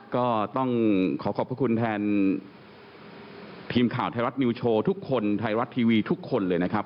ก็ต้องขอขอบพระคุณแทนทีมข่าวไทยรัฐนิวโชว์ทุกคนไทยรัฐทีวีทุกคนเลยนะครับ